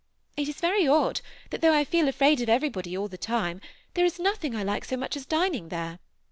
It is very odd, that though I feel afraid of everybody all the time, there is nothing I like so much as dining there.